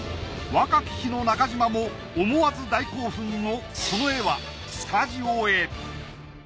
若き日の中島も思わず大興奮のその絵はスタジオへ。